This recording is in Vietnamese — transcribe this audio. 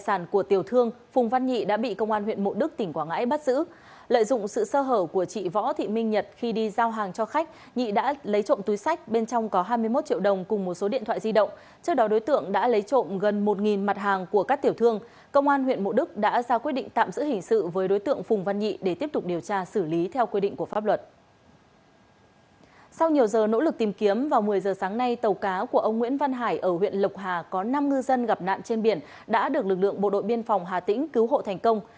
sau nhiều giờ nỗ lực tìm kiếm vào một mươi giờ sáng nay tàu cá của ông nguyễn văn hải ở huyện lộc hà có năm ngư dân gặp nạn trên biển đã được lực lượng bộ đội biên phòng hà tĩnh cứu hộ thành công